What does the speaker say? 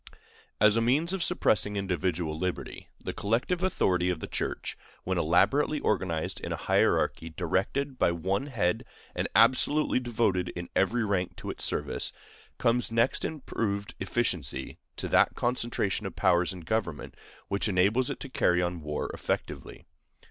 As a means of suppressing individual liberty, the collective authority of the Church, when elaborately organized in a hierarchy directed by one head and absolutely devoted in every rank to its service, comes next in proved efficiency to that concentration of powers in government which enables it to carry on war effectively.